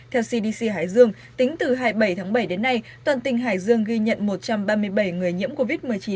theo cdc hải dương tính từ hai mươi bảy tháng bảy đến nay toàn tỉnh hải dương ghi nhận một trăm ba mươi bảy người nhiễm covid một mươi chín